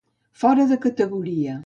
Fora de categoria.